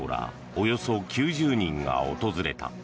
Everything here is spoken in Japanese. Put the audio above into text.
およそ９０人が訪れた。